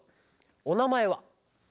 おなまえは？